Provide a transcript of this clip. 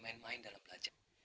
main main dalam belajar